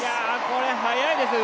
これ、速いですよ。